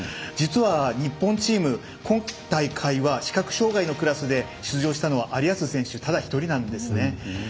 実は日本チーム、今大会は視覚障がいのクラスで出場したのは有安選手、ただ１人なんですね。